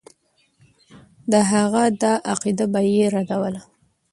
د هغه دا عقیده به یې ردوله.